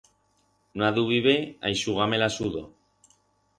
No adubibe a ixugar-me la sudor.